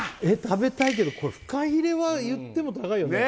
食べたいけどこれふかひれは言っても高いよね